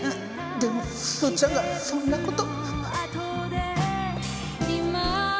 でもすずちゃんがそんなこと。